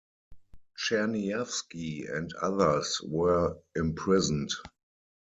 Czerniawski and others were imprisoned.